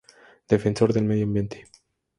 Defensor del medio ambiente.